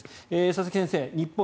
佐々木先生、日本